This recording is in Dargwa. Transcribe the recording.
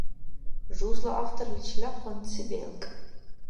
Жузла авторличила къантӀси белкӀ.